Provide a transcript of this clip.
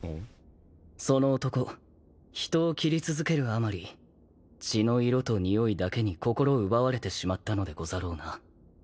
その男人を斬り続けるあまり血の色とにおいだけに心を奪われてしまったのでござろうな。